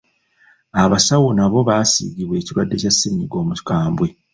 Abasawo nabo basiigibwa ekirwadde kya ssennyiga omukambwe.